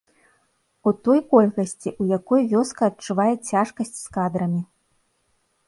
У той колькасці, у якой вёска адчувае цяжкасць з кадрамі.